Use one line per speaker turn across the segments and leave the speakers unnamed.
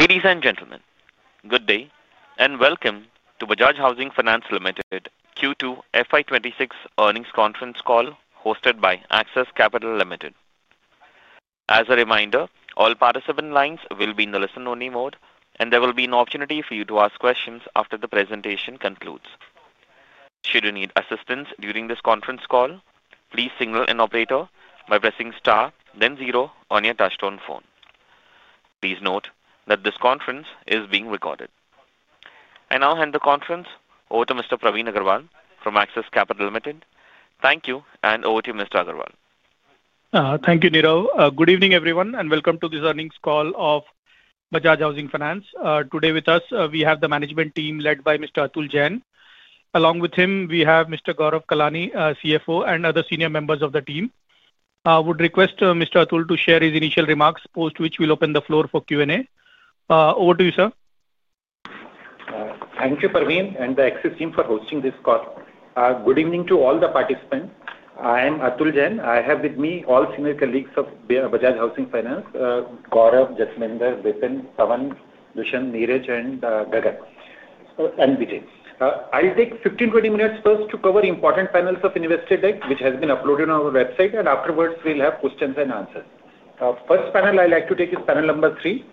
Ladies and gentlemen, good day and welcome to Bajaj Housing Finance Limited Q2 FY26 earnings conference call hosted by Access Capital Limited. As a reminder, all participant lines will be in the listen-only mode, and there will be an opportunity for you to ask questions after the presentation concludes. Should you need assistance during this conference call, please signal an operator by pressing star then zero on your touch-tone phone. Please note that this conference is being recorded. I now hand the conference over to Mr. Praveen Agarwal from Access Capital Limited. Thank you, and over to you, Mr. Agarwal.
Thank you, Niraj. Good evening, everyone, and welcome to this earnings call of Bajaj Housing Finance Limited. Today, with us, we have the management team led by Mr. Atul Jain. Along with him, we have Mr. Gaurav Kalani, CFO, and other senior members of the team. I would request Mr. Atul to share his initial remarks, post which we'll open the floor for Q&A. Over to you, sir.
Thank you, Praveen, and the Access team for hosting this call. Good evening to all the participants. I am Atul Jain. I have with me all senior colleagues of Bajaj Housing Finance: Gaurav, Jasminder, Vipin, Pavan, Dushan, Neeraj, and Gagar. And Vijay. I'll take 15-20 minutes first to cover important panels of investor deck, which has been uploaded on our website, and afterwards, we'll have questions and answers. First panel I'd like to take is panel number three.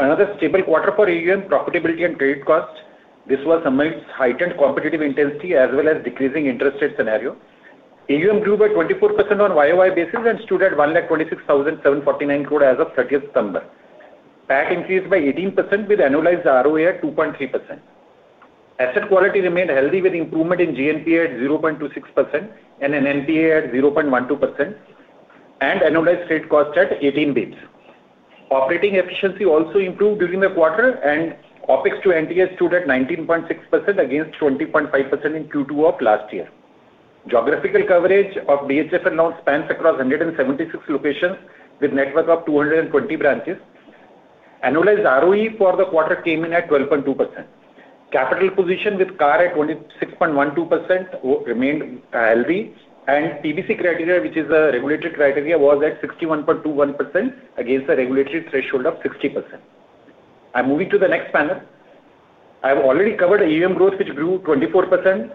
Another stable quarter for AUM, profitability, and credit cost. This was amidst heightened competitive intensity as well as decreasing interest rate scenario. AUM grew by 24% on YOY basis and stood at 1,26,749 crore as of 30th September. PAC increased by 18% with annualized ROA at 2.3%. Asset quality remained healthy with improvement in GNPA at 0.26% and in NNPA at 0.12%. Annualized credit cost at 18 basis points. Operating efficiency also improved during the quarter, and OPEX to NTI stood at 19.6% against 20.5% in Q2 of last year. Geographical coverage of Bajaj Housing Finance Limited loans spans across 176 locations with a network of 220 branches. Annualized ROE for the quarter came in at 12.2%. Capital position with CAR at 26.12% remained healthy, and PBC criteria, which is a regulatory criteria, was at 61.21% against a regulatory threshold of 60%. I'm moving to the next panel. I've already covered AUM growth, which grew 24%.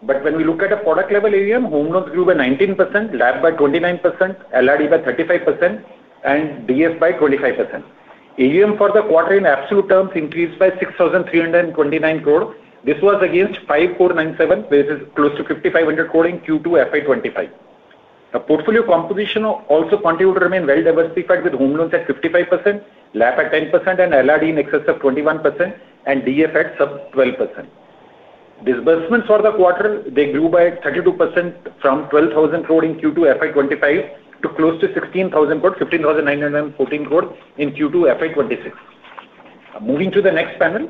When we look at a product-level AUM, home loans grew by 19%, LAP by 29%, LRD by 35%, and Developer Finance by 25%. AUM for the quarter in absolute terms increased by 6,329 crore. This was against 5,497 crore, which is close to 5,500 crore in Q2 FY25. The portfolio composition also continued to remain well-diversified with home loans at 55%, LAP at 10%, and LRD in excess of 21%, and DS at sub-12%. Disbursements for the quarter, they grew by 32% from 12,000 crore in Q2 FY2025 to close to 16,000 crore, 15,914 crore in Q2 FY2026. Moving to the next panel.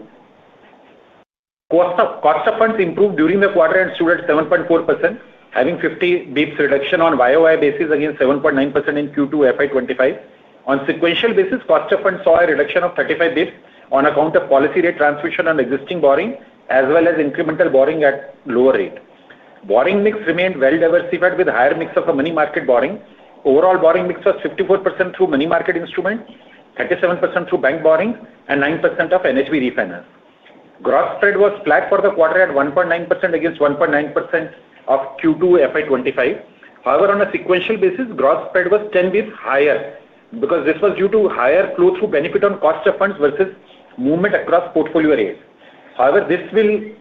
Cost of funds improved during the quarter and stood at 7.4%, having 50 basis points reduction on year-on-year basis against 7.9% in Q2 FY2025. On sequential basis, cost of funds saw a reduction of 35 basis points on account of policy rate transmission on existing borrowing as well as incremental borrowing at lower rate. Borrowing mix remained well-diversified with a higher mix of money market borrowing. Overall borrowing mix was 54% through money market instruments, 37% through bank borrowing, and 9% of NHB refinance. Gross spread was flat for the quarter at 1.9% against 1.9% of Q2 FY25. However, on a sequential basis, gross spread was 10 basis points higher because this was due to higher flow-through benefit on cost of funds versus movement across portfolio areas. However, this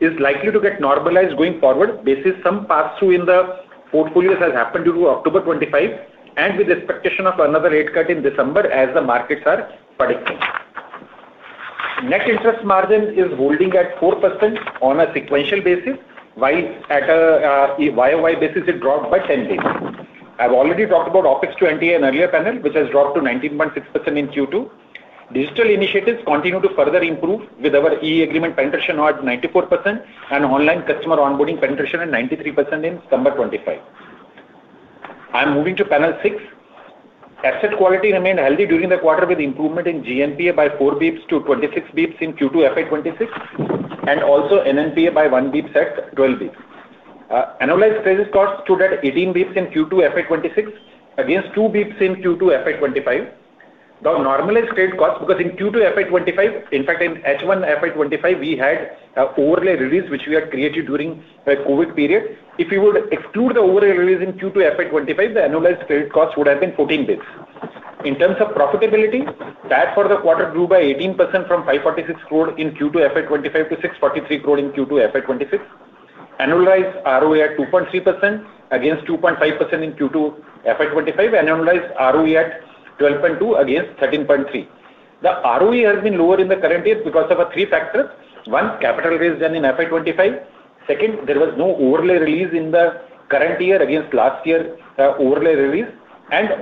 is likely to get normalized going forward, basis some pass-through in the portfolios has happened due to October 25 and with the expectation of another rate cut in December as the markets are predicting. Net interest margin is holding at 4% on a sequential basis, while at a year-over-year basis, it dropped by 10 basis points. I've already talked about OPEX to NTA in an earlier panel, which has dropped to 19.6% in Q2. Digital initiatives continue to further improve with our EA agreement penetration at 94% and online customer onboarding penetration at 93% in September 2025. I'm moving to panel six. Asset quality remained healthy during the quarter with improvement in GNPA by 4 basis points to 26 basis points in Q2 FY26 and also NNPA by 1 basis point at 12 basis points. Annualized credit cost stood at 18 basis points in Q2 FY26 against 2 basis points in Q2 FY25. The normalized credit cost, because in Q2 FY25, in fact, in H1 FY25, we had overlay release, which we had created during the COVID period. If we would exclude the overlay release in Q2 FY25, the annualized credit cost would have been 14 basis points. In terms of profitability, PAC for the quarter grew by 18% from 546 crore in Q2 FY25 to 643 crore in Q2 FY26. Annualized ROA at 2.3% against 2.5% in Q2 FY25, and annualized ROE at 12.2% against 13.3%. The ROE has been lower in the current year because of three factors. One, capital raised then in FY25. Second, there was no overlay release in the current year against last year's overlay release.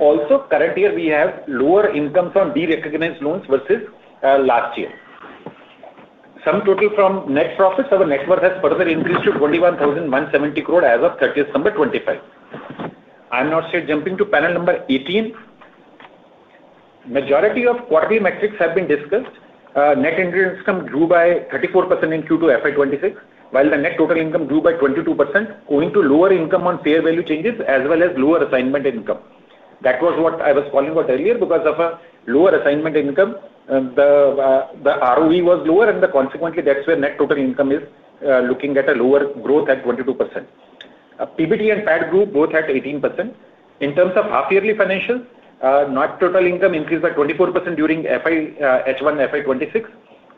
Also, current year, we have lower income from derecognized loans versus last year. Sum total from net profits of the net worth has further increased to 21,170 crore as of 30 December 2025. I'm now jumping to panel number 18. Majority of quarterly metrics have been discussed. Net income grew by 34% in Q2 FY26, while the net total income grew by 22%, going to lower income on fair value changes as well as lower assignment income. That was what I was calling out earlier. Because of a lower assignment income, the ROE was lower, and consequently, that's where net total income is looking at a lower growth at 22%. PBT and PAC grew both at 18%. In terms of half-yearly financials, net total income increased by 24% during H1 FY26.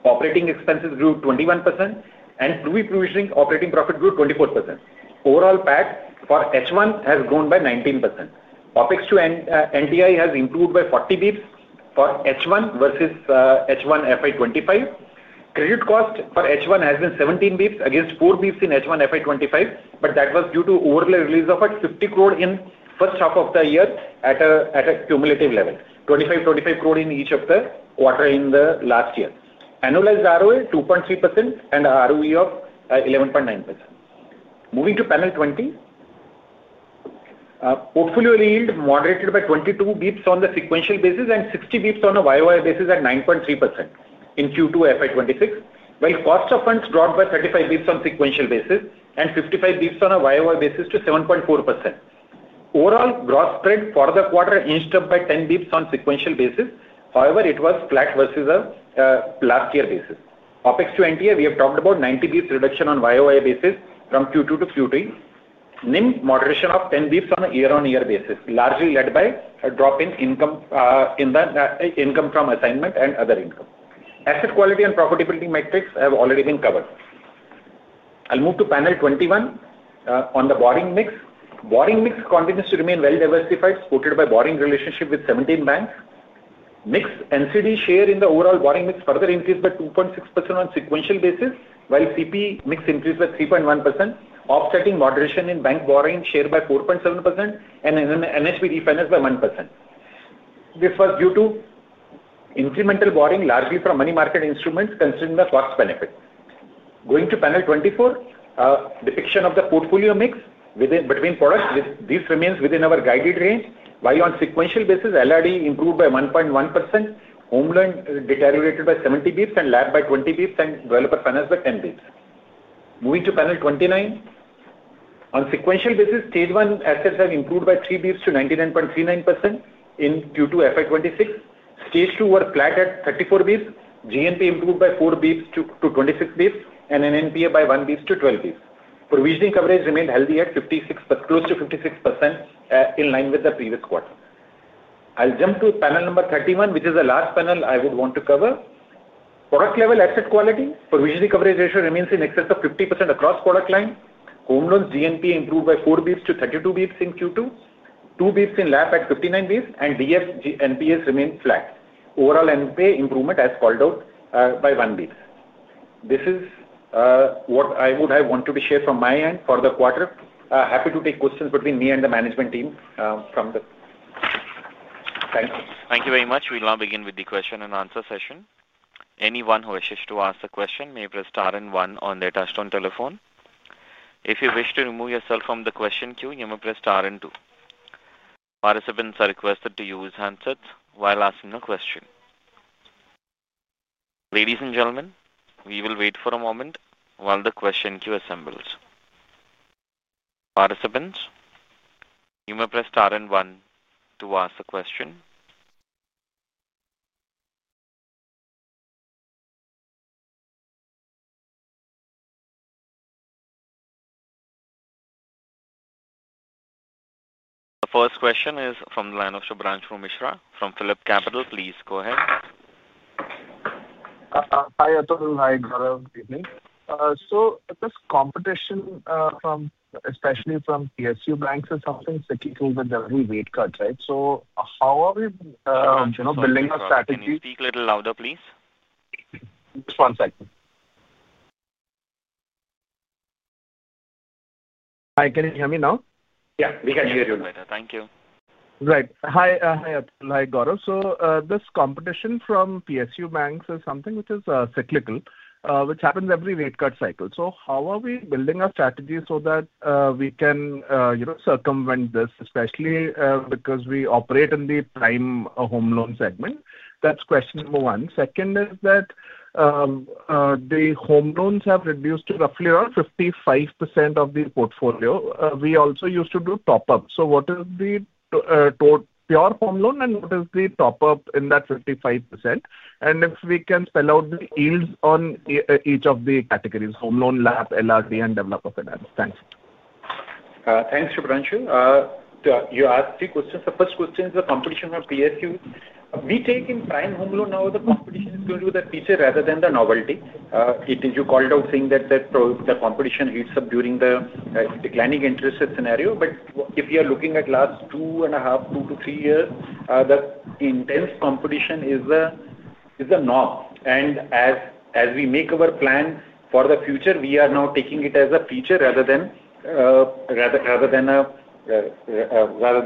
Operating expenses grew 21%, and pre-provisioning operating profit grew 24%. Overall PAC for H1 has grown by 19%. OPEX to NTI has improved by 40 basis points for H1 versus H1 FY2025. Credit cost for H1 has been 17 basis points against 4 basis points in H1 FY2025, but that was due to overlay release of 50 crore in the first half of the year at a cumulative level, 25 crore, 25 crore in each of the quarters in the last year. Annualized ROA 2.3% and ROE of 11.9%. Moving to panel 20. Portfolio yield moderated by 22 basis points on the sequential basis and 60 basis points on a year-over-year basis at 9.3% in Q2 FY2026, while cost of funds dropped by 35 basis points on sequential basis and 55 basis points on a year-over-year basis to 7.4%. Overall gross spread for the quarter increased by 10 basis points on sequential basis. However, it was flat versus the last year's basis. OPEX to NTI, we have talked about 90 basis points reduction on year-on-year basis from Q2 to Q3. NIM moderation of 10 basis points on a year-on-year basis, largely led by a drop in income from assignment and other income. Asset quality and profitability metrics have already been covered. I'll move to panel 21 on the borrowing mix. Borrowing mix continues to remain well-diversified, supported by borrowing relationship with 17 banks. Mixed NCD share in the overall borrowing mix further increased by 2.6% on sequential basis, while CP mix increased by 3.1%, offsetting moderation in bank borrowing share by 4.7% and in NHB refinance by 1%. This was due to incremental borrowing largely from money market instruments considering the cost benefit. Going to panel 24. Depiction of the portfolio mix between products. This remains within our guided range, while on sequential basis, Lease Rental Discounting improved by 1.1%, home loan deteriorated by 70 basis points, and LAP by 20 basis points, and developer finance by 10 basis points. Moving to panel 29. On sequential basis, stage one assets have improved by 3 basis points to 99.39% in Q2 FY26. Stage two were flat at 34 basis points. GNPA improved by 4 basis points to 26 basis points and NNPA by 1 basis point to 12 basis points. Provisioning coverage remained healthy at close to 56% in line with the previous quarter. I'll jump to panel number 31, which is the last panel I would want to cover. Product-level asset quality. Provisioning coverage ratio remains in excess of 50% across product line. Home loans GNPA improved by 4 basis points to 32 basis points in Q2, 2 basis points in LAP at 59 basis points, and developer finance NPAs remained flat. Overall NPA improvement has called out by 1 basis point. This is what I would have wanted to share from my end for the quarter. Happy to take questions between me and the management team from the. Thank you.
Thank you very much. We'll now begin with the question and answer session. Anyone who wishes to ask a question may press star and one on their touch-tone telephone. If you wish to remove yourself from the question queue, you may press star and two. Participants are requested to use handsets while asking a question. Ladies and gentlemen, we will wait for a moment while the question queue assembles. Participants, you may press star and one to ask a question. The first question is from the Phillip Capital branch. Please go ahead.
Hi, Atul. Hi, Gaurav. Good evening. This competition, especially from PSU banks and something, is particularly with the rate cuts, right? How are we building a strategy?
Speak a little louder, please.
Just one second. Hi, can you hear me now?
Yeah, we can hear you now.
Thank you.
Right. Hi, Atul. Hi, Gaurav. This competition from PSU banks is something which is cyclical, which happens every rate cut cycle. How are we building a strategy so that we can circumvent this, especially because we operate in the prime home loan segment? That is question number one. Second is that the home loans have reduced to roughly around 55% of the portfolio. We also used to do top-up. What is the pure home loan and what is the top-up in that 55%? If we can spell out the yields on each of the categories: home loan, LAP, LRD, and developer finance. Thanks.
Thanks, Subramanyam. You asked three questions. The first question is the competition for PSUs. We take in prime home loan now the competition is going to the PSU rather than the novelty. You called out saying that the competition heats up during the declining interest rate scenario. If you are looking at the last two and a half, two to three years, the intense competition is the norm. As we make our plan for the future, we are now taking it as a feature rather than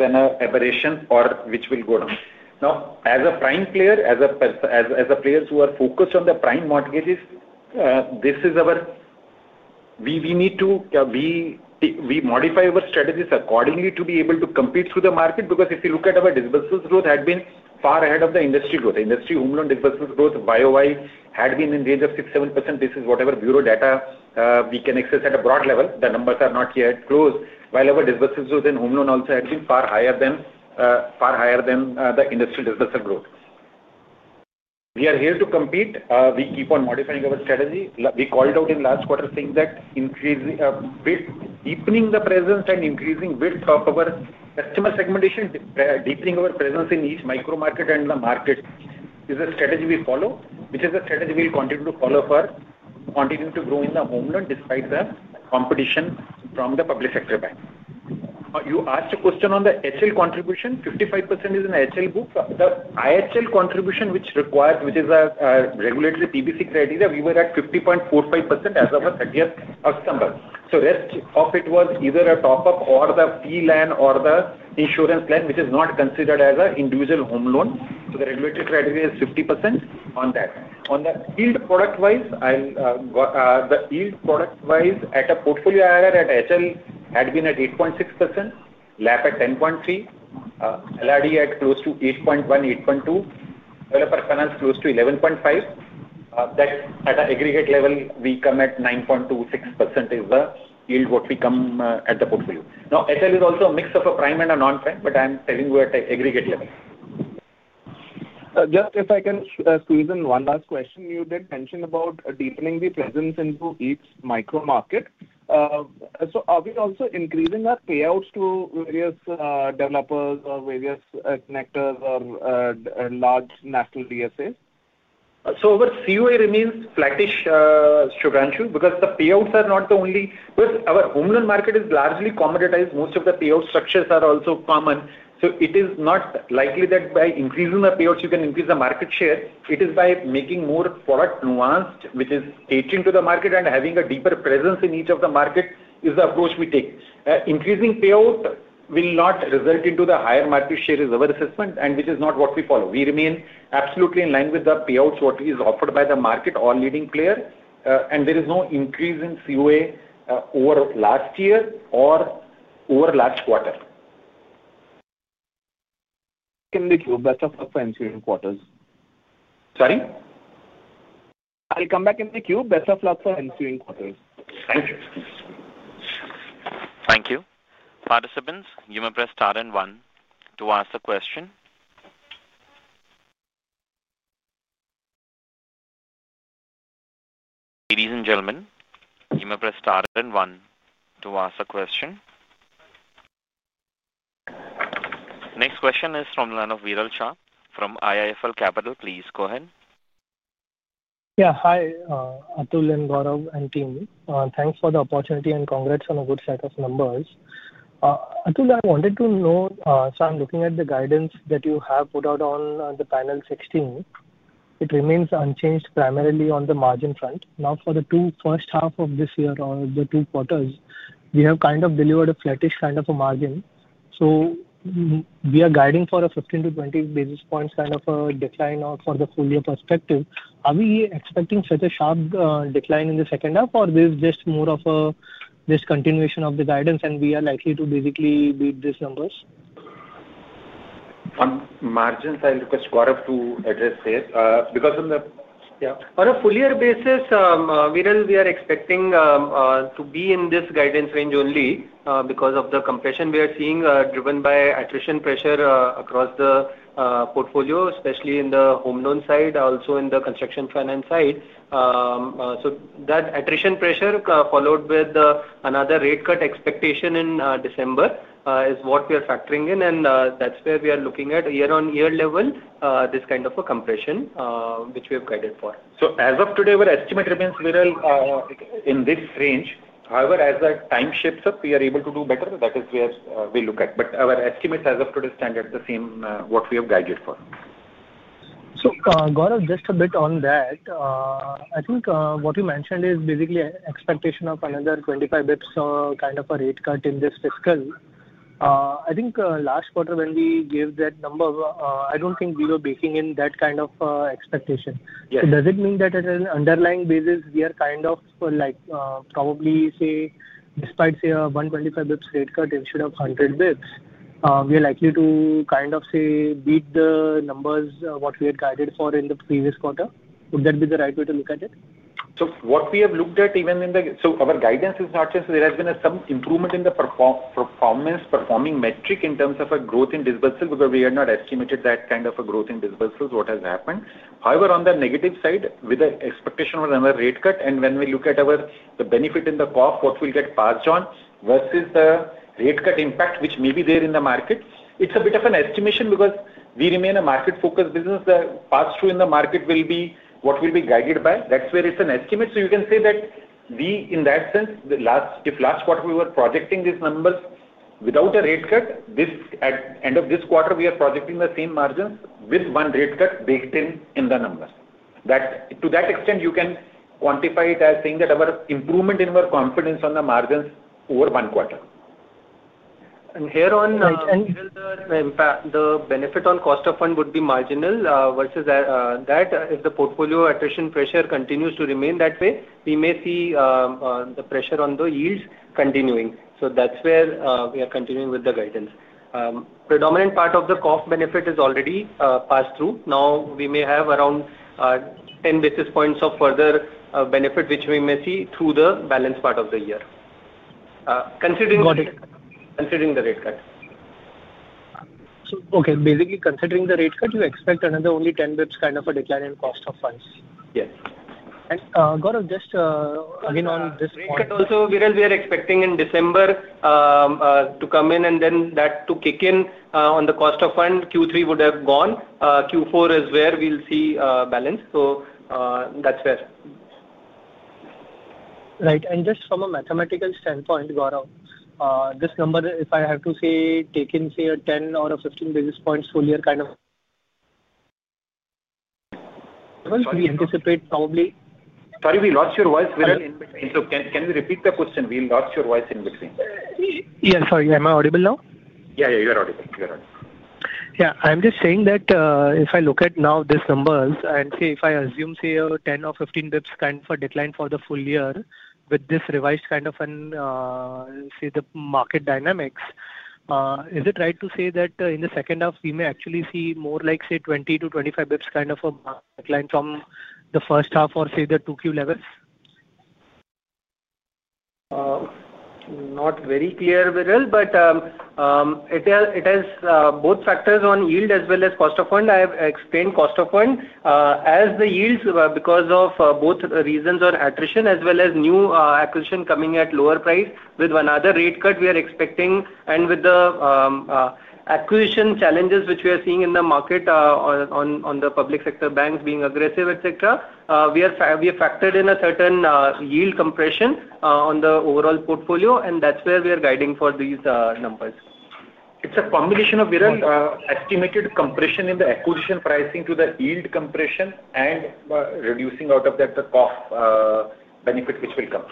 an aberration or which will go down. Now, as a prime player, as a player who is focused on the prime mortgages, this is our, we need to modify our strategies accordingly to be able to compete through the market. If you look at our disbursement growth, it had been far ahead of the industry growth. Industry home loan disbursement growth, year-over-year, had been in the range of 6%-7%. This is whatever bureau data we can access at a broad level. The numbers are not yet close, while our disbursement growth in home loan also had been far higher than the industry disbursement growth. We are here to compete. We keep on modifying our strategy. We called out in the last quarter saying that deepening the presence and increasing width of our customer segmentation, deepening our presence in each micro market and the market is a strategy we follow, which is a strategy we will continue to follow for continuing to grow in the home loan despite the competition from the public sector bank. You asked a question on the HL contribution. 55% is in the HL book. The IHL contribution, which. Is a regulatory PBC criteria, we were at 50.45% as of the 30th of December. The rest of it was either a top-up or the fee land or the insurance land, which is not considered as an individual home loan. The regulatory criteria is 50% on that. On the yield product-wise. The yield product-wise at a portfolio IRR at HL had been at 8.6%, LAP at 10.3%, LRD at close to 8.1%-8.2%, developer finance close to 11.5%. At an aggregate level, we come at 9.26% is the yield what we come at the portfolio. Now, HL is also a mix of a prime and a non-prime, but I'm telling you at an aggregate level.
Just if I can squeeze in one last question. You did mention about deepening the presence into each micro market. Are we also increasing our payouts to various developers or various connectors or large national DSAs?
Our COA remains flattish, Subramanyam, because the payouts are not the only. Our home loan market is largely commoditized. Most of the payout structures are also common. It is not likely that by increasing the payouts, you can increase the market share. It is by making more product nuanced, which is catering to the market and having a deeper presence in each of the markets is the approach we take. Increasing payout will not result into the higher market share is our assessment, and which is not what we follow. We remain absolutely in line with the payouts what is offered by the market or leading player. There is no increase in COA over last year or over last quarter.
In the queue, best of luck for ensuing quarters.
Sorry?
I'll come back in the queue. Best of luck for ensuing quarters.
Thank you.
Thank you. Participants, you may press star and one to ask a question. Ladies and gentlemen, you may press star and one to ask a question. Next question is from the line of Veeral Shah from IIFL Capital. Please go ahead.
Yeah. Hi, Atul and Gaurav and team. Thanks for the opportunity and congrats on a good set of numbers. Atul, I wanted to know, so I'm looking at the guidance that you have put out on the panel 16. It remains unchanged primarily on the margin front. Now, for the two first half of this year or the two quarters, we have kind of delivered a flattish kind of a margin. We are guiding for a 15-20 basis points kind of a decline for the full year perspective. Are we expecting such a sharp decline in the second half, or this is just more of a just continuation of the guidance, and we are likely to basically beat these numbers?
On margins, I'll request Gaurav to address this because on the.
Yeah. On a full year basis, Veeral, we are expecting to be in this guidance range only because of the compression we are seeing driven by attrition pressure across the portfolio, especially in the home loan side, also in the construction finance side. That attrition pressure followed with another rate cut expectation in December is what we are factoring in, and that's where we are looking at year-on-year level, this kind of a compression which we have guided for. As of today, our estimate remains, Veeral, in this range. However, as the time shifts up, we are able to do better. That is where we look at. Our estimate as of today is standard the same what we have guided for.
Gaurav, just a bit on that. I think what you mentioned is basically an expectation of another 25 basis points kind of a rate cut in this fiscal. I think last quarter, when we gave that number, I do not think we were baking in that kind of expectation. Does it mean that at an underlying basis, we are kind of, probably, say, despite, say, a 125 basis points rate cut instead of 100 basis points, we are likely to kind of, say, beat the numbers we had guided for in the previous quarter? Would that be the right way to look at it?
What we have looked at, even in the, our guidance is not changed. There has been some improvement in the performance metric in terms of a growth in disbursement because we had not estimated that kind of a growth in disbursements, what has happened. However, on the negative side, with the expectation of another rate cut, and when we look at the benefit in the COF, what we'll get passed on versus the rate cut impact, which may be there in the market, it's a bit of an estimation because we remain a market-focused business. The pass-through in the market will be what will be guided by. That's where it's an estimate. You can say that we, in that sense, if last quarter, we were projecting these numbers without a rate cut, at the end of this quarter, we are projecting the same margins with one rate cut baked in in the numbers. To that extent, you can quantify it as saying that our improvement in our confidence on the margins over one quarter. Here on. Veeral, the benefit on cost of fund would be marginal versus that. If the portfolio attrition pressure continues to remain that way, we may see the pressure on the yields continuing. That is where we are continuing with the guidance. Predominant part of the COF benefit is already passed through. Now, we may have around 10 basis points of further benefit, which we may see through the balance part of the year. Considering.
Go ahead.
The rate cut. Okay. Basically, considering the rate cut, you expect another only 10 basis points kind of a decline in cost of funds?
Yes. Gaurav, just again on this point.
Rate cut also, Veeral, we are expecting in December. To come in and then that to kick in on the cost of fund, Q3 would have gone. Q4 is where we'll see balance. So that's where.
Right. Just from a mathematical standpoint, Gaurav, this number, if I have to say, take in say a 10 or a 15 basis points full year kind of. We anticipate probably.
Sorry, we lost your voice, Veeral.
In between.
Look, can you repeat the question? We lost your voice in between.
Yes. Sorry. Am I audible now?
Yeah, yeah. You're audible. You're audible.
Yeah. I'm just saying that if I look at now these numbers and say if I assume say a 10 or 15 basis points kind of a decline for the full year with this revised kind of. Say the market dynamics, is it right to say that in the second half, we may actually see more like say 20-25 basis points kind of a decline from the first half or say the 2Q levels?
Not very clear, Veeral, but it has both factors on yield as well as cost of fund. I have explained cost of fund. As the yields, because of both reasons on attrition as well as new acquisition coming at lower price, with another rate cut we are expecting, and with the acquisition challenges which we are seeing in the market. On the public sector banks being aggressive, etc., we have factored in a certain yield compression on the overall portfolio, and that's where we are guiding for these numbers.
It's a combination of, Veeral, estimated compression in the acquisition pricing to the yield compression and reducing out of that the COF benefit which will come.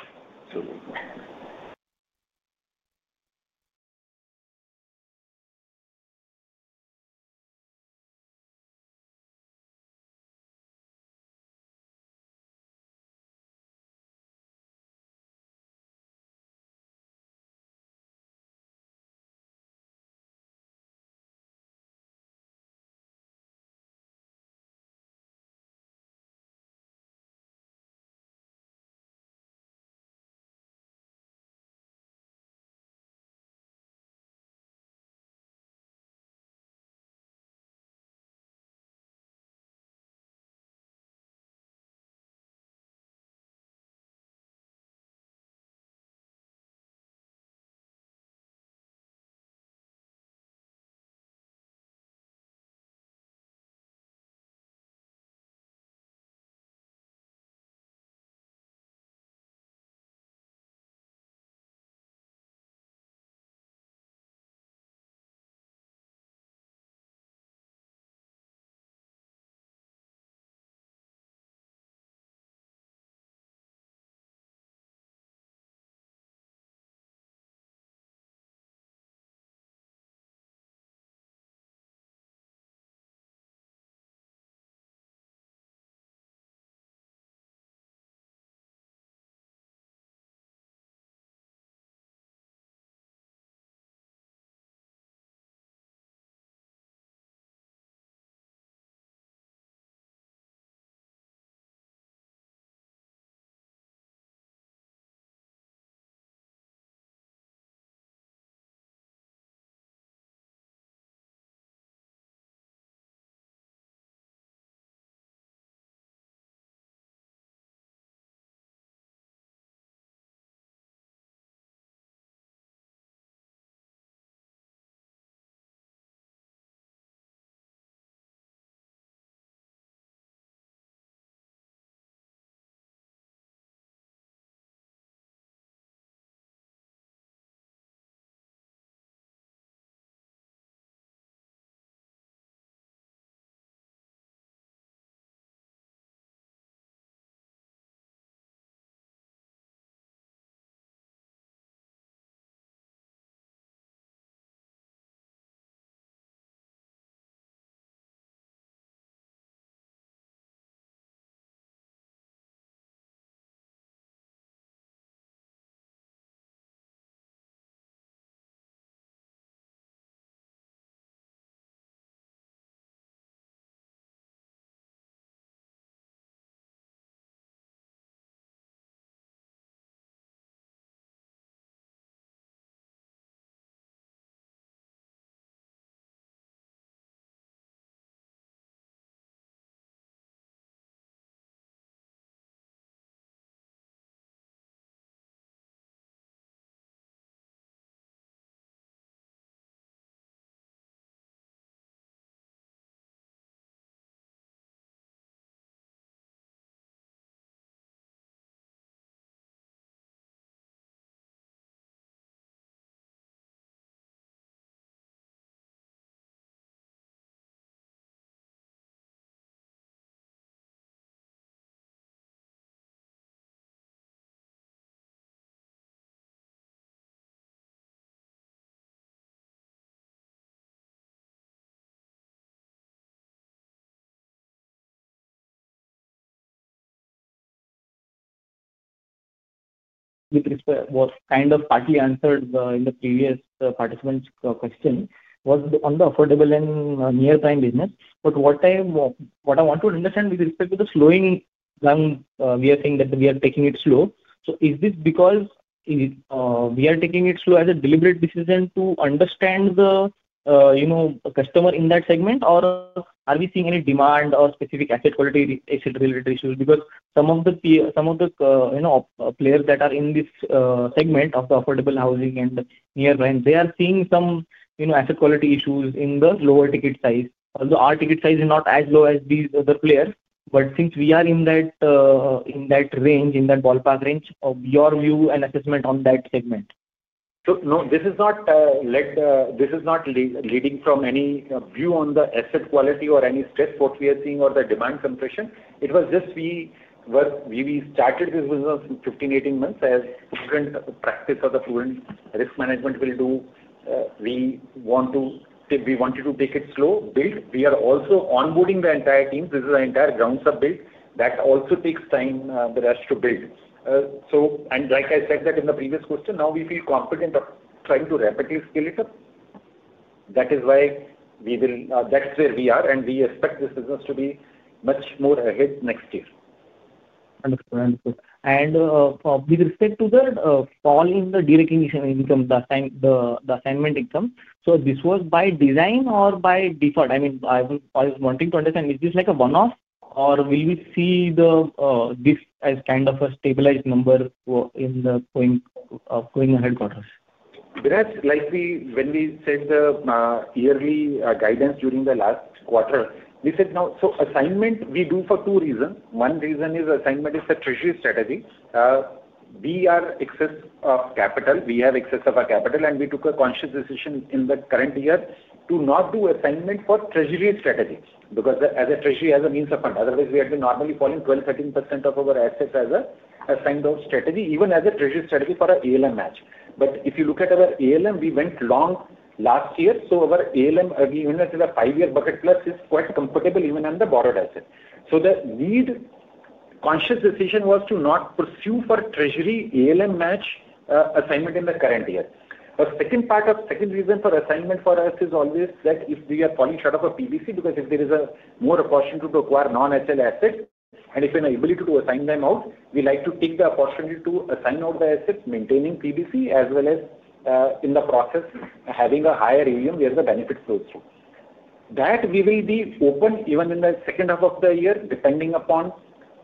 With respect to what kind of partly answered in the previous participant's question, was on the affordable and near-time business. What I want to understand with respect to the slowing down, we are saying that we are taking it slow. Is this because we are taking it slow as a deliberate decision to understand the customer in that segment, or are we seeing any demand or specific asset quality related issues? Some of the players that are in this segment of the affordable housing and near-time, they are seeing some asset quality issues in the lower ticket size. Although our ticket size is not as low as these other players, but since we are in that range, in that ballpark range, your view and assessment on that segment?
No, this is not led. This is not leading from any view on the asset quality or any stress what we are seeing or the demand compression. It was just we started this business 15-18 months as practice or the prudent risk management will do. We want to take it slow. Build. We are also onboarding the entire team. This is an entire ground sub build that also takes time for us to build. Like I said in the previous question, now we feel confident of trying to rapidly scale it up. That is why we will, that is where we are, and we expect this business to be much more ahead next year.
Understood. Understood. With respect to the fall in the direct income, the assignment income, was this by design or by default? I mean, I was wanting to understand, is this like a one-off, or will we see this as kind of a stabilized number in the going ahead quarters?
That's likely when we said the yearly guidance during the last quarter, we said now, so assignment we do for two reasons. One reason is assignment is the treasury strategy. We are excess of capital. We have excess of our capital, and we took a conscious decision in the current year to not do assignment for treasury strategy because as a treasury has a means of fund. Otherwise, we had been normally falling 12-13% of our assets as a kind of strategy, even as a treasury strategy for an ALM match. If you look at our ALM, we went long last year. Our ALM, even at the five-year bucket plus, is quite comfortable even on the borrowed asset. The need. Conscious decision was to not pursue for treasury ALM match assignment in the current year. The second part of second reason for assignment for us is always that if we are falling short of a PBC because if there is more opportunity to acquire non-HL assets, and if we are able to assign them out, we like to take the opportunity to assign out the assets, maintaining PBC as well as in the process having a higher ALM where the benefit flows through. That we will be open even in the second half of the year, depending upon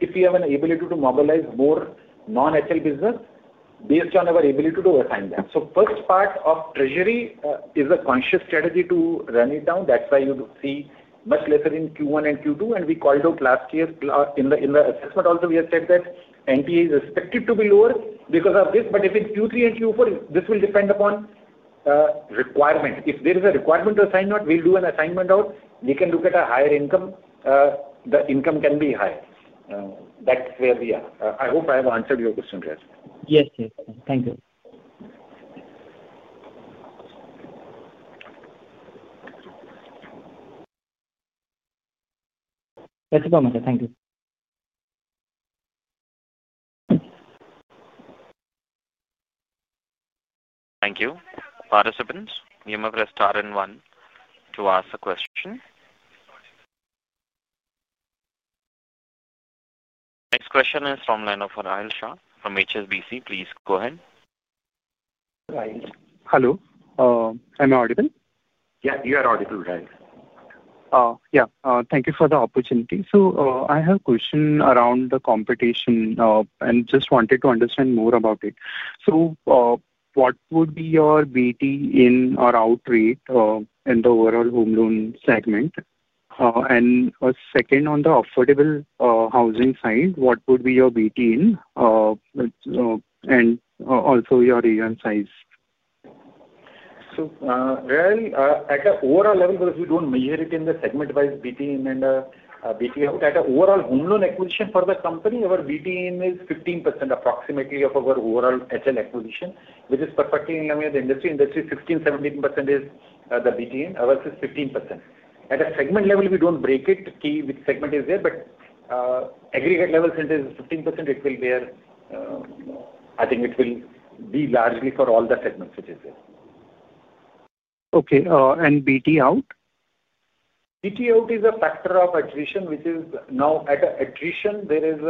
if we have an ability to mobilize more non-HL business based on our ability to assign that. First part of treasury is a conscious strategy to run it down. That is why you see much lesser in Q1 and Q2, and we called out last year in the assessment also, we have said that NTA is expected to be lower because of this. If in Q3 and Q4, this will depend upon requirement. If there is a requirement to assign out, we'll do an assignment out. We can look at a higher income. The income can be high. That's where we are. I hope I have answered your question, Veeral.
Yes, yes. Thank you. That's about my time. Thank you.
Thank you, participants. You may press star and one to ask a question. Next question is from the line of Viraj Shah from HSBC. Please go ahead.
Hello. Am I audible?
Yeah, you are audible, Veeral.
Yeah. Thank you for the opportunity. I have a question around the competition and just wanted to understand more about it. What would be your BT in or out rate in the overall home loan segment? Second, on the affordable housing side, what would be your BT in, and also your ALM size?
Veeral, at an overall level, because we do not measure it in the segment-wise BT in and BT out, at an overall home loan acquisition for the company, our BT in is 15% approximately of our overall HL acquisition, which is perfectly in line with the industry. Industry 16-17% is the BT in. Ours is 15%. At a segment level, we do not break it. Key segment is there, but. Aggregate level since it is 15%, it will bear. I think it will be largely for all the segments which is there.
Okay. And BT out?
BT out is a factor of attrition, which is now at attrition, there is.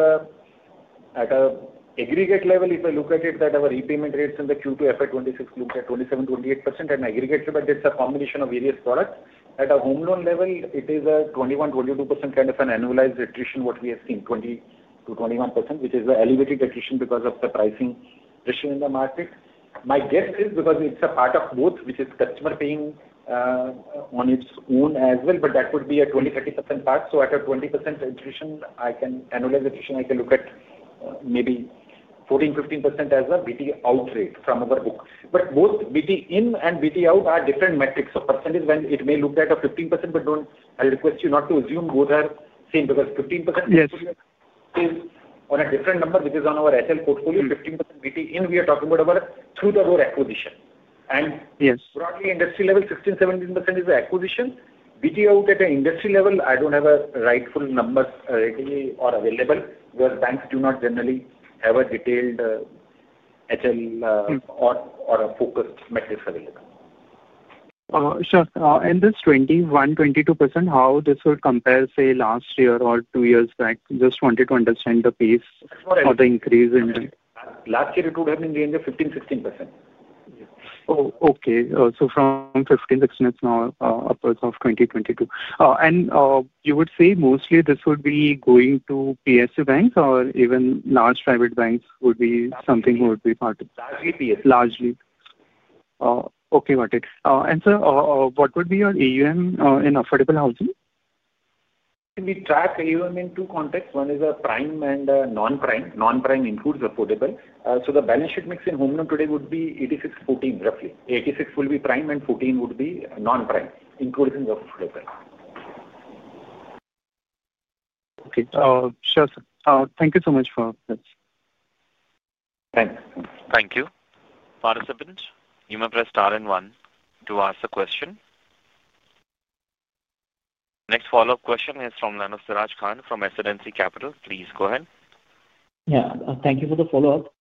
At an aggregate level, if I look at it, that our repayment rates in the Q2 FY26 look at 27-28% in aggregate, but it's a combination of various products. At a home loan level, it is a 21-22% kind of an annualized attrition, what we have seen, 20-21%, which is the elevated attrition because of the pricing pressure in the market. My guess is because it's a part of both, which is customer paying. On its own as well, but that would be a 20-30% part. At a 20% attrition, I can annualize attrition, I can look at maybe 14-15% as a BT out rate from our book. Both BT in and BT out are different metrics of percentage. It may look at a 15%, but I'll request you not to assume both are same because 15% portfolio is on a different number, which is on our HL portfolio. 15% BT in, we are talking about our through the whole acquisition. Broadly, industry level, 16-17% is the acquisition. BT out at an industry level, I don't have a rightful number readily or available because banks do not generally have a detailed HL or a focused metrics available.
Sure. This 21-22%, how would this compare, say, last year or two years back? Just wanted to understand the pace for the increase in.
Last year, it would have been in the range of 15-16%.
Oh, okay. So from 15-16% upwards of 2022? And you would say mostly this would be going to PSU banks or even large private banks would be something would be part of it?
Largely PSU.
Largely. Okay, got it. Sir, what would be your AUM in affordable housing?
Can we track AUM in two contexts? One is a prime and a non-prime. Non-prime includes affordable. So the balance sheet mix in home loan today would be 86, 14 roughly. 86 will be prime and 14 would be non-prime, including affordable.
Okay. Sure, sir. Thank you so much for this.
Thanks.
Thank you. Participants, you may press star and one to ask a question. Next follow-up question is from line of Siraj Khan from SN Capital. Please go ahead.
Yeah. Thank you for the follow-up.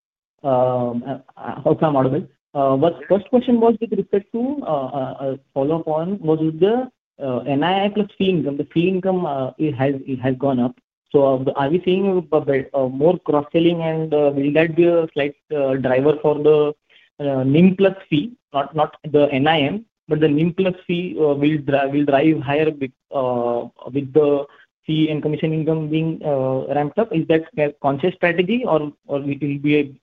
How can I modify? First question was with respect to a follow-up on was with the NII plus fee income. The fee income has gone up. Are we seeing more cross-selling and will that be a slight driver for the NIM plus fee? Not the NIM, but the NIM plus fee will drive higher. With the fee and commission income being ramped up? Is that a conscious strategy or will it be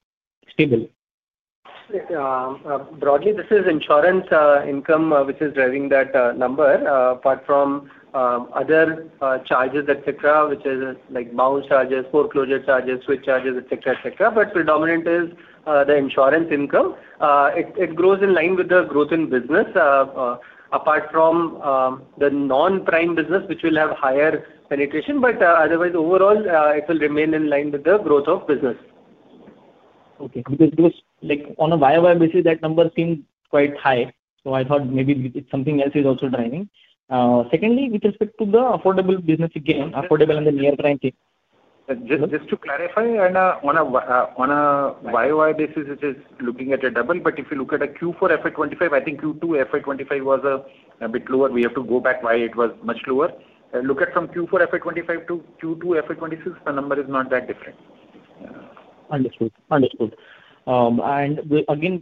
stable?
Broadly, this is insurance income which is driving that number apart from other charges, etc., which is like bounce charges, foreclosure charges, switch charges, etc., etc. Predominant is the insurance income. It grows in line with the growth in business. Apart from the non-prime business, which will have higher penetration, but otherwise, overall, it will remain in line with the growth of business.
Okay. Because on a viable basis, that number seemed quite high. I thought maybe something else is also driving. Secondly, with respect to the affordable business, again, affordable and the near-time thing.
Just to clarify, on a viable basis, it is looking at a double. If you look at Q4 FY25, I think Q2 FY25 was a bit lower. We have to go back why it was much lower. If you look at from Q4 FY25 to Q2 FY26, the number is not that different.
Understood. Understood. Again,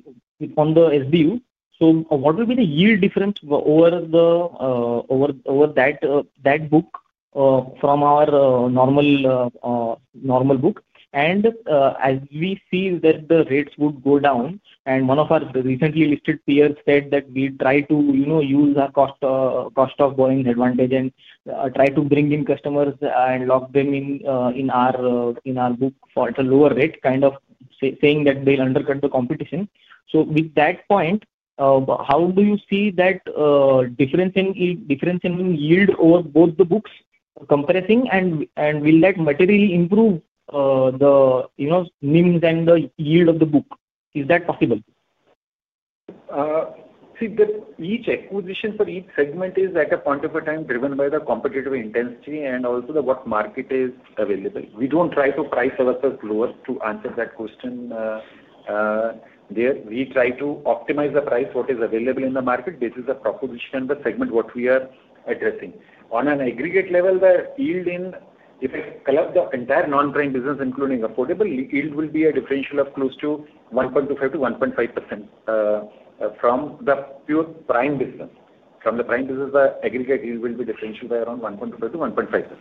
from the SBU, what will be the yield difference over that book from our normal book? As we see that the rates would go down, one of our recently listed peers said that we try to use our cost of borrowing advantage and try to bring in customers and lock them in our book for a lower rate, kind of saying that they'll undercut the competition. With that point, how do you see that difference in yield over both the books compressing, and will that materially improve the NIMs and the yield of the book? Is that possible?
See, each acquisition for each segment is at a point of time driven by the competitive intensity and also what market is available. We do not try to price ourselves lower to answer that question. There, we try to optimize the price, what is available in the market. This is a proposition and the segment what we are addressing. On an aggregate level, the yield in, if I collapse the entire non-prime business, including affordable, yield will be a differential of close to 1.25-1.5%. From the pure prime business. From the prime business, the aggregate yield will be differential by around 1.25-1.5%.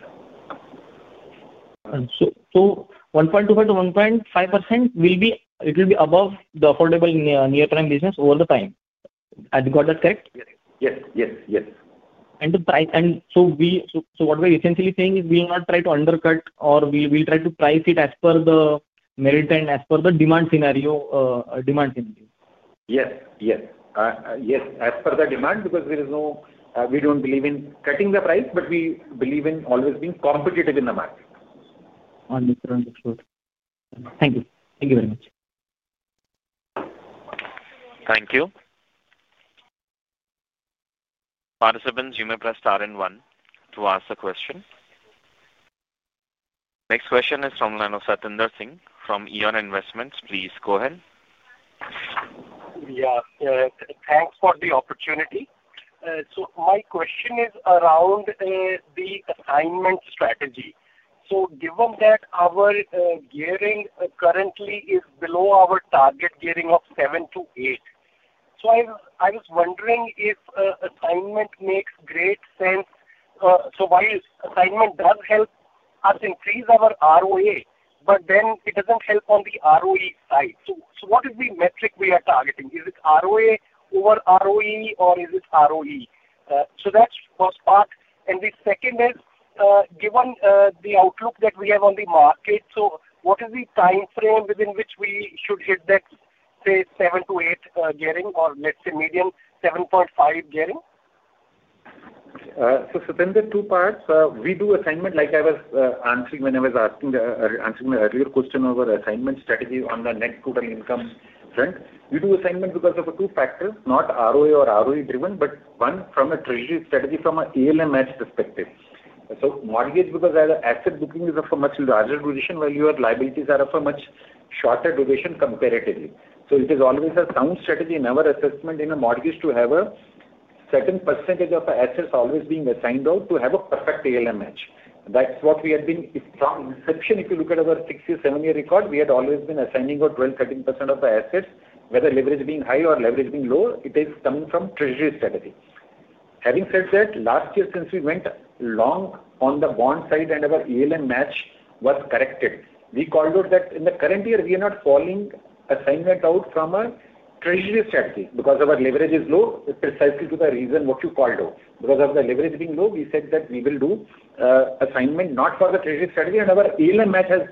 1.25-1.5% will be above the affordable near-time business over the time. Have you got that correct?
Yes. Yes. Yes.
What we are essentially saying is we will not try to undercut or we will try to price it as per the merit and as per the demand scenario.
Yes. Yes. As per the demand, because there is no, we do not believe in cutting the price, but we believe in always being competitive in the market.
Understood. Understood. Thank you. Thank you very much.
Thank you. Participants, you may press star and one to ask a question. Next question is from line of Satinder Singh from Eon Investments. Please go ahead.
Yeah. Thanks for the opportunity. My question is around the assignment strategy. Given that our gearing currently is below our target gearing of 7-8, I was wondering if assignment makes great sense. Assignment does help us increase our ROA, but then it does not help on the ROE side. What is the metric we are targeting? Is it ROA over ROE, or is it ROE? That is the first part. The second is, given the outlook that we have on the market, what is the time frame within which we should hit that, say, 7-8 gearing or, let's say, median 7.5 gearing?
Satyan, there are two parts. We do assignment, like I was answering when I was answering the earlier question over assignment strategy on the net total income front. We do assignment because of two factors, not ROA or ROE driven, but one from a treasury strategy from an ALM match perspective. Mortgage, because the asset booking is of a much larger duration while your liabilities are of a much shorter duration comparatively. It is always a sound strategy in our assessment in a mortgage to have a certain percentage of assets always being assigned out to have a perfect ALM match. That is what we have been from inception. If you look at our six-year, seven-year record, we had always been assigning out 12-13% of the assets, whether leverage being high or leverage being low. It is coming from treasury strategy. Having said that, last year, since we went long on the bond side and our ALM match was corrected, we called out that in the current year, we are not falling assignment out from a treasury strategy because our leverage is low, precisely to the reason what you called out. Because of the leverage being low, we said that we will do assignment not for the treasury strategy, and our ALM match has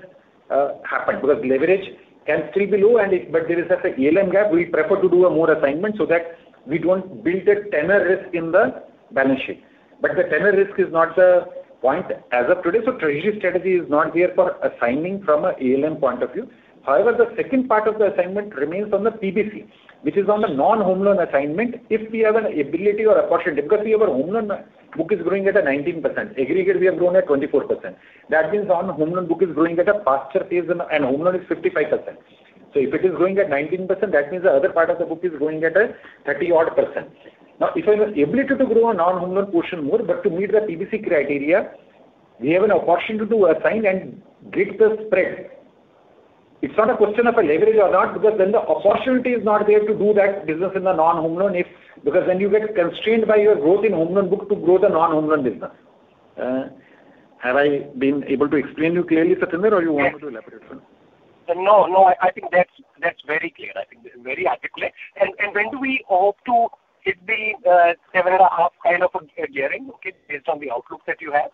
happened because leverage can still be low, but there is such an ALM gap. We prefer to do a more assignment so that we do not build a tenor risk in the balance sheet. The tenor risk is not the point as of today. Treasury strategy is not there for assigning from an ALM point of view. However, the second part of the assignment remains on the PBC, which is on the non-home loan assignment. If we have an ability or opportunity because we have a home loan book is growing at 19%, aggregate we have grown at 24%. That means our home loan book is growing at a faster phase, and home loan is 55%. If it is growing at 19%, that means the other part of the book is growing at a 30-odd %. Now, if I'm able to grow a non-home loan portion more, but to meet the PBC criteria, we have an opportunity to assign and get the spread. It's not a question of a leverage or not because then the opportunity is not there to do that business in the non-home loan because then you get constrained by your growth in home loan book to grow the non-home loan business. Have I been able to explain you clearly, Satinder, or do you want me to elaborate further?
No, no. I think that's very clear. I think very articulate. When do we hope to hit the seven and a half kind of a gearing, okay, based on the outlook that you have?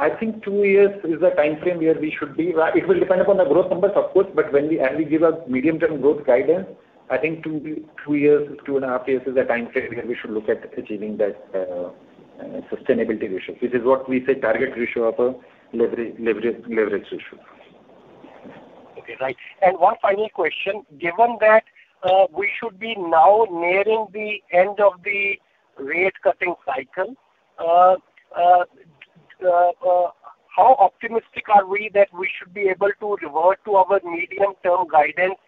I think two years is the time frame where we should be. It will depend upon the growth numbers, of course, but when we give a medium-term growth guidance, I think two years to two and a half years is the time frame where we should look at achieving that. Sustainability ratio, which is what we say target ratio of a leverage ratio.
Okay. Right. And one final question. Given that we should be now nearing the end of the rate-cutting cycle. How optimistic are we that we should be able to revert to our medium-term guidance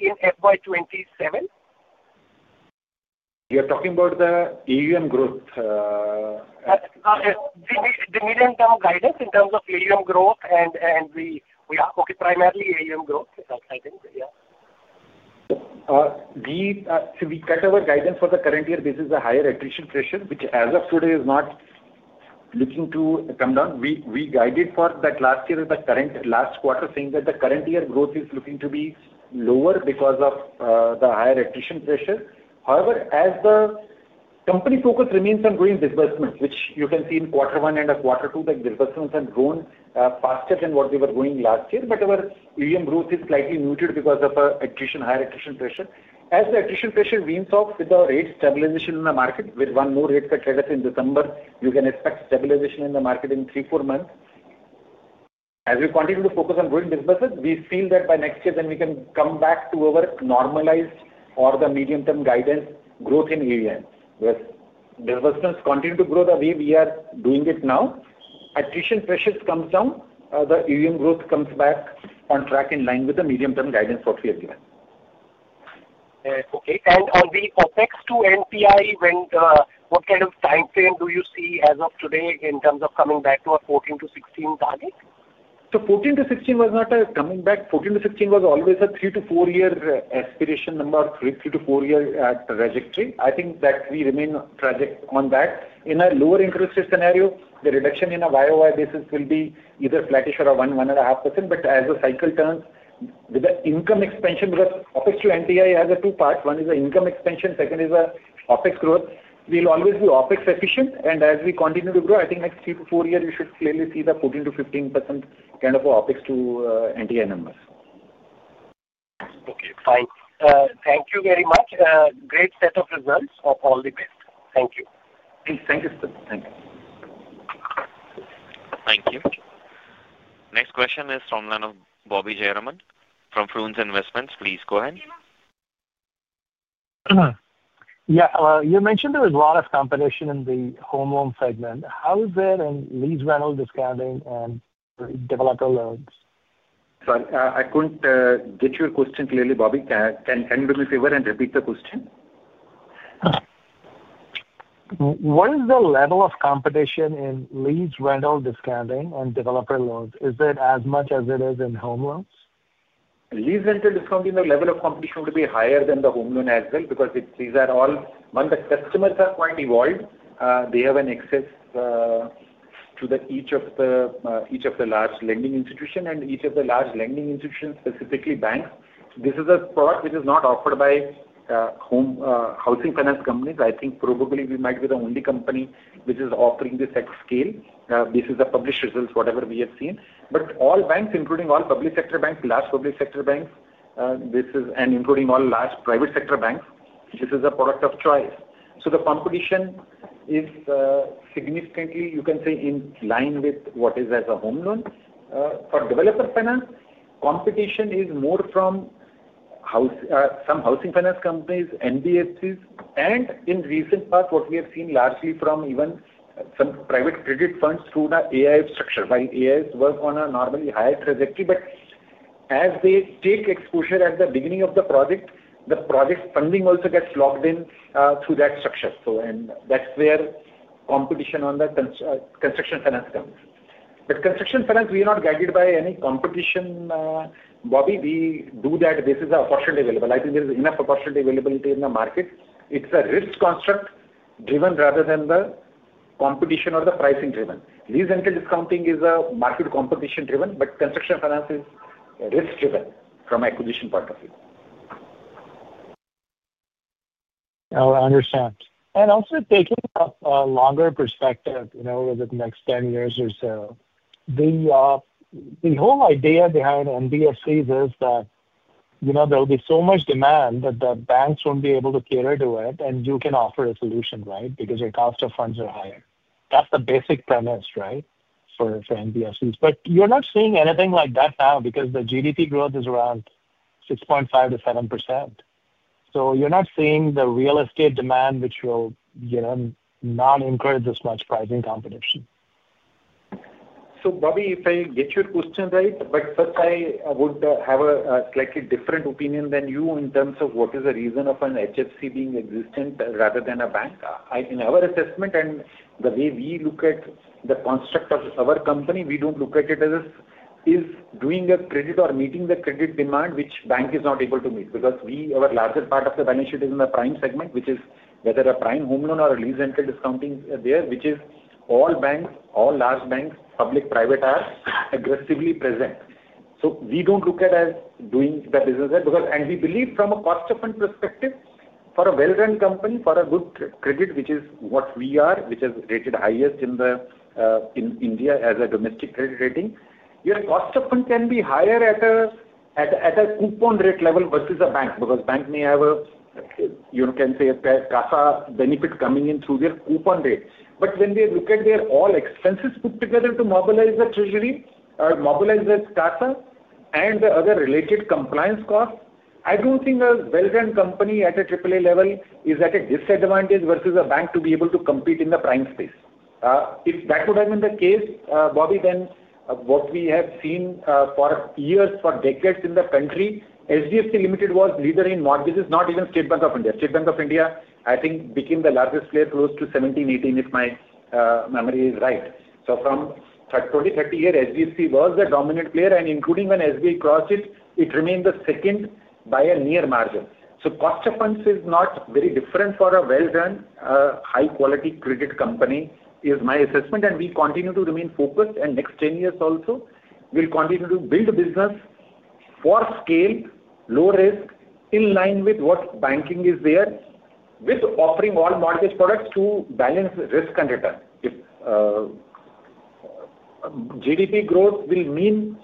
in FY2027?
You're talking about the AUM growth?
The medium-term guidance in terms of AUM growth and we, okay, primarily AUM growth, I think, yeah.
We cut our guidance for the current year based on the higher attrition pressure, which as of today is not looking to come down. We guided for that last year with the current last quarter, saying that the current year growth is looking to be lower because of the higher attrition pressure. However, as the company focus remains on growing disbursements, which you can see in quarter one and quarter two, the disbursements have grown faster than what they were growing last year. Our AUM growth is slightly muted because of the higher attrition pressure. As the attrition pressure weans off with the rate stabilization in the market, with one more rate cut let us say in December, you can expect stabilization in the market in three-four months. As we continue to focus on growing disbursements, we feel that by next year, then we can come back to our normalized or the medium-term guidance growth in AUM because disbursements continue to grow the way we are doing it now. Attrition pressures come down, the AUM growth comes back on track in line with the medium-term guidance what we have given.
Okay. On the OPEX to NTI, what kind of time frame do you see as of today in terms of coming back to a 14-16% target?
Fourteen to sixteen was not a coming back. Fourteen to sixteen was always a three- to four-year aspiration number, three- to four-year trajectory. I think that we remain tragic on that. In a lower-interest rate scenario, the reduction in a viaway basis will be either flattish or a 1-1.5%. As the cycle turns, with the income expansion, because OPEX to NTI has two parts. One is the income expansion. Second is the OPEX growth. We'll always be OPEX efficient. As we continue to grow, I think next three to four years, we should clearly see the 14-15% kind of OPEX to NTI numbers.
Okay. Fine. Thank you very much. Great set of results. All the best. Thank you.
Thank you. Thank you.
Thank you. Next question is from the line of Bobby Jeram from Edelweiss Securities. Please go ahead.
Yeah. You mentioned there was a lot of competition in the home loan segment. How is it in lease rental discounting and developer loans?
Sorry. I couldn't get your question clearly, Bobby. Can you do me a favor and repeat the question?
What is the level of competition in lease rental discounting and developer loans? Is it as much as it is in home loans?
Lease rental discounting, the level of competition would be higher than the home loan as well because these are all, one, the customers are quite evolved. They have access to each of the large lending institutions and each of the large lending institutions, specifically banks. This is a product which is not offered by housing finance companies. I think probably we might be the only company which is offering this at scale. This is a published result, whatever we have seen. All banks, including all public sector banks, large public sector banks, and including all large private sector banks, this is a product of choice. The competition is significantly, you can say, in line with what is as a home loan. For developer finance, competition is more from. Some housing finance companies, NBFCs, and in recent parts, what we have seen largely from even some private credit funds through the AIF structure. While AIFs work on a normally higher trajectory, but as they take exposure at the beginning of the project, the project funding also gets locked in through that structure. That is where competition on the construction finance comes. Construction finance, we are not guided by any competition. Bobby, we do that. This is opportunity available. I think there is enough opportunity availability in the market. It is a risk construct driven rather than the competition or the pricing driven. Lease rental discounting is a market competition driven, but construction finance is risk-driven from an acquisition point of view.
I understand. Also, taking a longer perspective over the next 10 years or so, the whole idea behind NBFCs is that there will be so much demand that the banks will not be able to cater to it, and you can offer a solution, right, because your cost of funds are higher. That is the basic premise, right, for NBFCs. You are not seeing anything like that now because the GDP growth is around 6.5-7%. You are not seeing the real estate demand, which will not encourage as much pricing competition.
Bobby, if I get your question right, but first, I would have a slightly different opinion than you in terms of what is the reason of an HFC being existent rather than a bank. In our assessment and the way we look at the construct of our company, we do not look at it as doing a credit or meeting the credit demand, which bank is not able to meet because our larger part of the balance sheet is in the prime segment, which is whether a prime home loan or a lease rental discounting there, which is all banks, all large banks, public, private are aggressively present. We do not look at as doing the business there because, and we believe from a cost of fund perspective, for a well-run company, for a good credit, which is what we are, which is rated highest in. India as a domestic credit rating, your cost of fund can be higher at a coupon rate level versus a bank because bank may have, can say, a CASA benefit coming in through their coupon rate. When we look at their all expenses put together to mobilize the treasury or mobilize the CASA and the other related compliance costs, I do not think a well-run company at a AAA level is at a disadvantage versus a bank to be able to compete in the prime space. If that would have been the case, Bobby, then what we have seen for years, for decades in the country, HDFC Limited was leader in mortgages, not even State Bank of India. State Bank of India, I think, became the largest player close to 2017-2018, if my memory is right. From 20, 30 years, HDFC was the dominant player, and including when State Bank of India crossed it, it remained the second by a near margin. Cost of funds is not very different for a well-run, high-quality credit company is my assessment, and we continue to remain focused, and next 10 years also, we'll continue to build a business. For scale, low risk, in line with what banking is there, with offering all mortgage products to balance risk and return. GDP growth will mean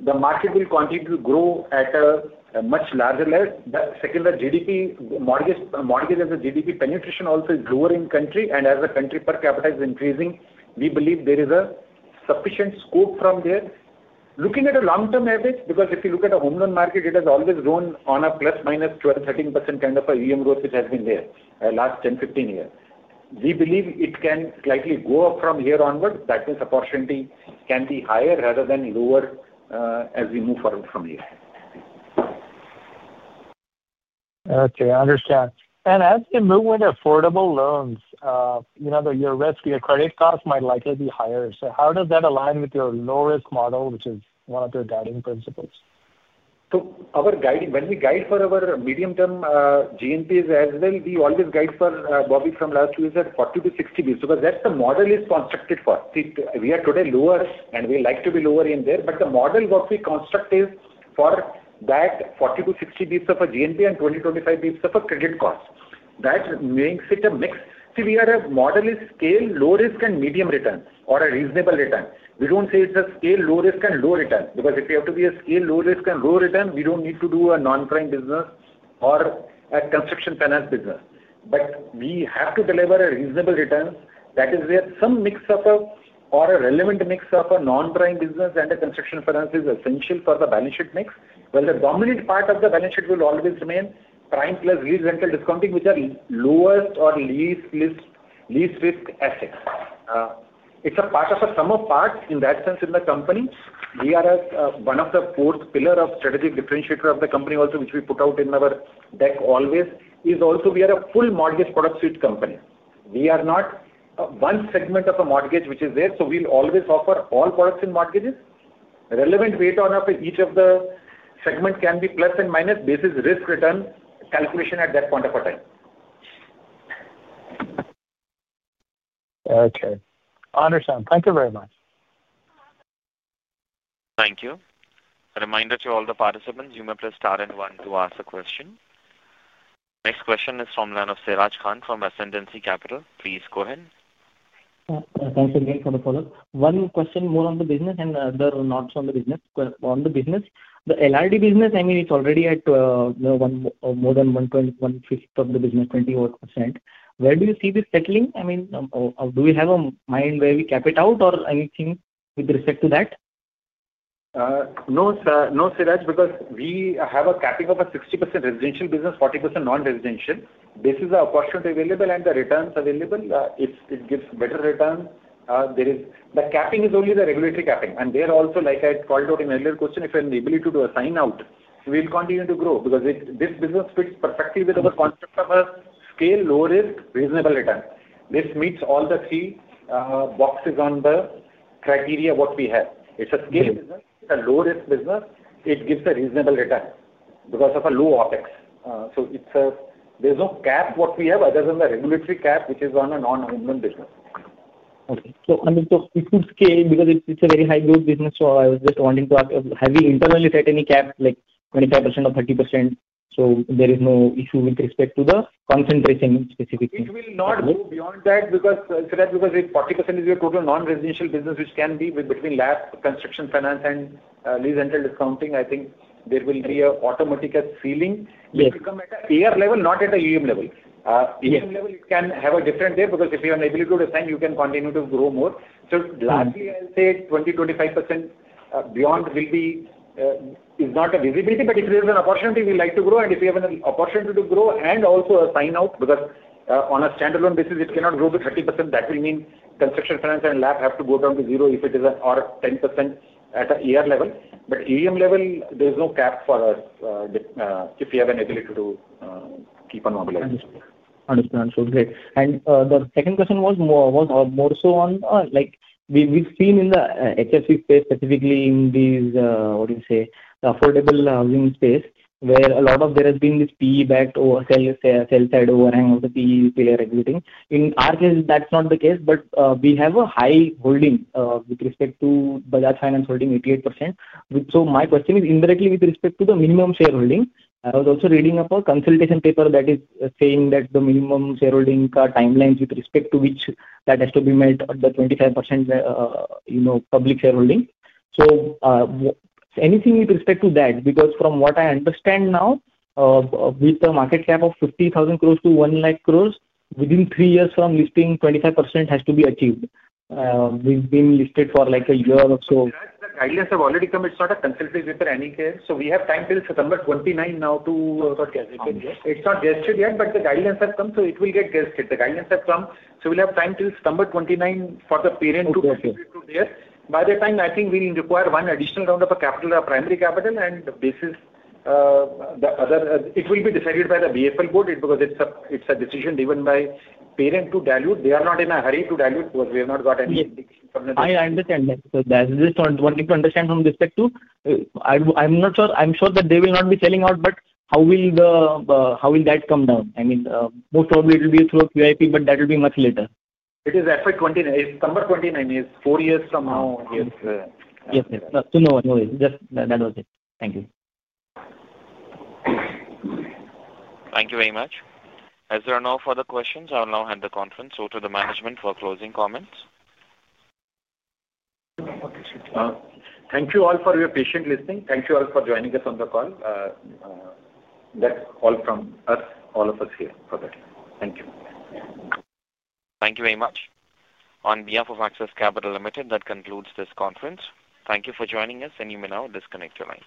the market will continue to grow at a much larger level. Second, the GDP mortgage as a GDP penetration also is lower in country, and as the country per capita is increasing, we believe there is a sufficient scope from there. Looking at a long-term average, because if you look at the home loan market, it has always grown on a plus-minus 12-13% kind of a AUM growth, which has been there last 10-15 years. We believe it can slightly go up from here onward. That means opportunity can be higher rather than lower as we move forward from here.
Okay. I understand. As we move with affordable loans, your risk, your credit cost might likely be higher. How does that align with your low-risk model, which is one of your guiding principles?
When we guide for our medium-term GNPAs as well, we always guide for, Bobby, from last week, said 40-60 basis points because that's what the model is constructed for. We are today lower, and we like to be lower in there. The model we construct is for that 40-60 basis points of a GNPA and 20-25 basis points of a credit cost. That makes it a mix. See, our model is scale, low risk, and medium return, or a reasonable return. We do not say it's a scale, low risk, and low return. Because if we have to be a scale, low risk, and low return, we do not need to do a non-prime business or a construction finance business. We have to deliver a reasonable return. That is where some mix of a or a relevant mix of a non-prime business and a construction finance is essential for the balance sheet mix. The dominant part of the balance sheet will always remain prime plus lease rental discounting, which are lowest or least risk assets. It is a part of a sum of parts in that sense in the company. One of the fourth pillar of strategic differentiator of the company also, which we put out in our deck always, is also we are a full mortgage product suite company. We are not one segment of a mortgage, which is there. We will always offer all products in mortgages. Relevant weight on each of the segment can be plus and minus basis risk-return calculation at that point of a time.
Okay. Understood. Thank you very much.
Thank you. A reminder to all the participants, you may press star and one to ask a question. Next question is from the line of Siraj Khan from SN Capital. Please go ahead.
Thanks again for the follow-up. One question more on the business and other notes on the business. On the business, the LRD business, I mean, it's already at more than 15% of the business, 20%. Where do you see this settling? I mean, do we have a mind where we cap it out or anything with respect to that?
No, Siraj, because we have a capping of a 60% residential business, 40% non-residential. This is our opportunity available and the returns available. If it gives better returns, there is the capping is only the regulatory capping. There also, like I called out in earlier question, if you have an ability to assign out, we will continue to grow because this business fits perfectly with our concept of a scale, low risk, reasonable return. This meets all the three boxes on the criteria what we have. It is a scale business. It is a low-risk business. It gives a reasonable return because of a low OpEx. There is no cap what we have other than the regulatory cap, which is on a non-home loan business.
Okay. Understood. If we put scale because it's a very high-growth business, I was just wanting to ask, have we internally set any cap like 25% or 30%? There is no issue with respect to the concentration specifically.
It will not go beyond that because 40% is your total non-residential business, which can be between LAP, construction finance, and lease rental discounting. I think there will be an automatic feeling. It will come at an AR level, not at an AUM level. AUM level, it can have a different day because if you have an ability to assign, you can continue to grow more. Lastly, I'll say 20-25% beyond will be. Is not a visibility. If there is an opportunity, we like to grow. If we have an opportunity to grow and also assign out, because on a standalone basis, it cannot grow to 30%. That will mean construction finance and LAP have to go down to zero if it is or 10% at an AR level. AUM level, there is no cap for us. If we have an ability to keep on mobilizing.
Understood. Understood. Okay. The second question was more so on, we've seen in the HFC space, specifically in these, what do you say, affordable housing space, where a lot of, there has been this PE-backed sell-side overhang of the PE player exiting. In our case, that's not the case, but we have a high holding with respect to Bajaj Finance holding 88%. My question is indirectly with respect to the minimum shareholding. I was also reading up a consultation paper that is saying that the minimum shareholding timelines with respect to which that has to be met at the 25% public shareholding. Anything with respect to that? Because from what I understand now, with the market cap of 50,000 crore to 1 lakh crore, within three years from listing, 25% has to be achieved. We've been listed for like a year or so.
The guidelines have already come. It's not a consultation with the Rannik here. We have time till September 29 now to. It's not gestured yet, but the guidelines have come, so it will get gestured. The guidelines have come, so we'll have time till September 29 for the parent to. By the time, I think we'll require one additional round of a capital, a primary capital, and basis. The other, it will be decided by the BAPL board because it's a decision given by parent to dilute. They are not in a hurry to dilute because we have not got any indication from the.
I understand. That's just wanting to understand from respect to. I'm not sure. I'm sure that they will not be selling out, but how will that come down? I mean, most probably it will be through a QIP, but that will be much later.
It is FY2029. September 29 is four years from now.
Yes. Yes. No worries. Just that was it. Thank you.
Thank you very much. As there are no further questions, I will now hand the conference over to the management for closing comments.
Thank you all for your patient listening. Thank you all for joining us on the call. That's all from us, all of us here for that. Thank you.
Thank you very much. On behalf of Access Capital Limited, that concludes this conference. Thank you for joining us, and you may now disconnect your lines.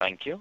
Thank you.